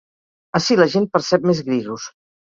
Ací la gent percep més grisos.